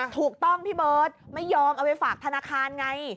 ถูกต้องพี่เบิร์ตไม่ยอมเอาไปฝากธนาคารไง